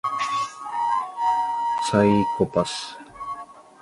王侯将相，宁有种乎